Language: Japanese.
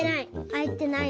あいてない。